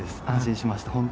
安心しました。